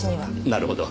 なるほど。